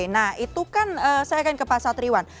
nah itu kan saya akan ke pak satriwan